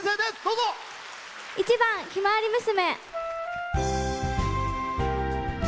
１番「ひまわり娘」。